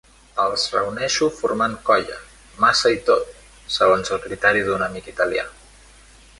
Els reuneixo formant colla, massa i tot, segons el criteri d'un amic italià.